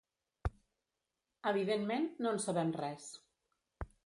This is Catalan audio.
Evidentment, no en sabem res.